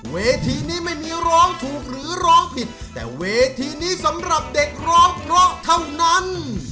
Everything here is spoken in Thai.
เวทีนี้ไม่มีร้องถูกหรือร้องผิดแต่เวทีนี้สำหรับเด็กร้องเพราะเท่านั้น